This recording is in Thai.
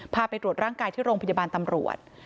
ไปตรวจร่างกายที่โรงพยาบาลตำรวจ